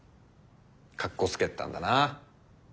かっこつけてたんだなあ。